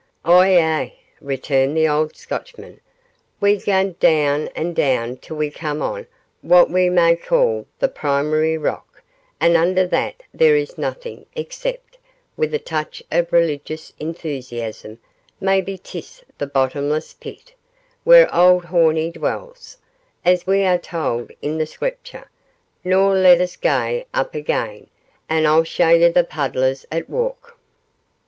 "Ou, ay," returned the old Scotchman, "we gae doon an' doon till we come on what we ma ca' the primary rock, and under that there is nothin' except," with a touch of religious enthusiasm, "maybe 'tis the bottomless pit, where auld Hornie dwells, as we are tauld in the Screepture; noo let us gae up again, an' I'll show ye the puddlers at wark."